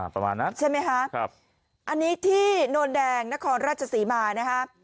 ประมาณนั้นใช่ไหมคะครับอันนี้ที่โนนแดงนครราชศรีมานะฮะ